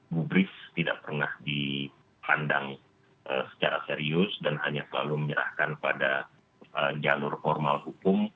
gubris tidak pernah dipandang secara serius dan hanya selalu menyerahkan pada jalur formal hukum